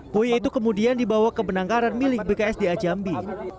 buaya itu kemudian dibawa ke penangkaran milik bksda jambi